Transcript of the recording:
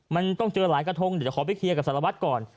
มันต้องเจอหลายกระทงเดี๋ยวขอไปเคลียร์กับสารวัตรก่อน